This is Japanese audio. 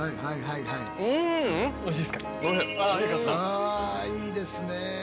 あいいですね。